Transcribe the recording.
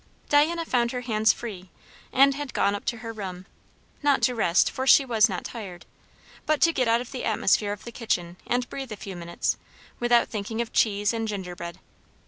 Diana found her hands free; and had gone up to her room, not to rest, for she was not tired, but to get out of the atmosphere of the kitchen and breathe a few minutes without thinking of cheese and gingerbread.